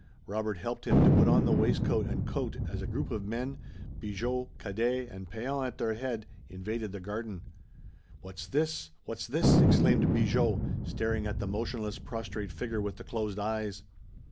Robert helped him to put on the waistcoat and coat, as a group of men, Bigot, Cadet, and Pean at their head, invaded the garden. "What's this! What's this!" exclaimed Bigot, staring at the motionless prostrate figure with the closed eyes.